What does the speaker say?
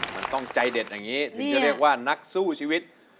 มันต้องใจเด็ดอย่างนี้ถึงจะเรียกว่านักสู้ชีวิต